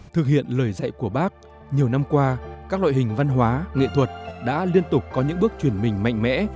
thực hiện lời dạy của bác nhiều năm qua các loại hình văn hóa nghệ thuật đã liên tục có những bước chuyển mình mạnh mẽ